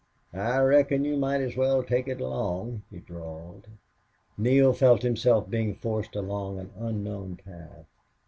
"I reckon you might as well take it along," he drawled. Neale felt himself being forced along an unknown path.